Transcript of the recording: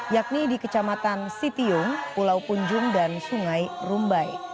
yakni di kecamatan sitiung pulau punjung dan sungai rumbai